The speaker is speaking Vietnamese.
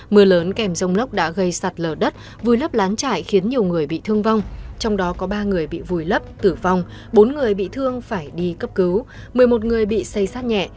mưa lớn kèm rông lốc đã gây sạt lở đất vùi lấp lán trải khiến nhiều người bị thương vong trong đó có ba người bị vùi lấp tử vong bốn người bị thương phải đi cấp cứu một mươi một người bị xây sát nhẹ